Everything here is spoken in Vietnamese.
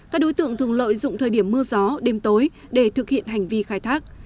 các đối tượng thường lợi dụng thời điểm mưa gió đêm tối để thực hiện hành vi khai thác